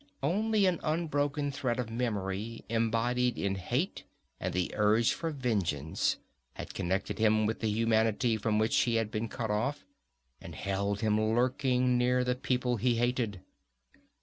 Only an unbroken thread of memory embodied in hate and the urge for vengeance had connected him with the humanity from which he had been cut off, and held him lurking near the people he hated.